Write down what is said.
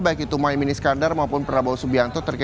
baik itu muaymini skandar maupun prabowo subianto